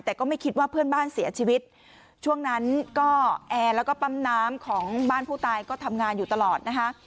แต่ก็ไม่คิดว่าเพื่อนบ้านเสียชีวิตช่วงนั้นก็แอร์แล้วก็ปั๊มน้ำของบ้านผู้ตายก็ทำงานอยู่ตลอดนะคะ